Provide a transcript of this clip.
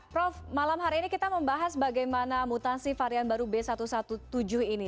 prof malam hari ini kita membahas bagaimana mutasi varian baru b satu satu tujuh ini